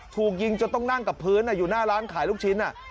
ถูกยิงจนต้องนั่งกับพื้นอยู่หน้าร้านขายลูกชิ้น